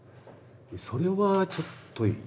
それはちょっと。